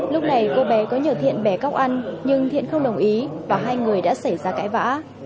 lúc này cô bé có nhờ thiện bé cóc ăn nhưng thiện không đồng ý và hai người đã xảy ra cãi vã